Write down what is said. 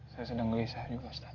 saya sedang gelisah juga ustadz